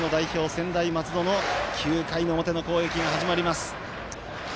専大松戸の９回の表の攻撃が始まります。